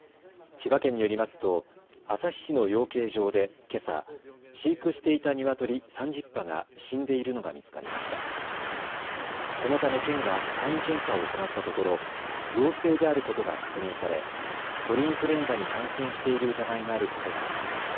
千葉県によりますと、旭市の養鶏場でけさ、飼育していたニワトリ３０羽が死んでいるのが見つかりました。